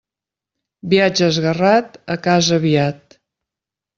Viatge esguerrat, a casa aviat.